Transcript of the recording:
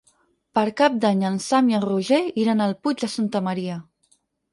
Per Cap d'Any en Sam i en Roger iran al Puig de Santa Maria.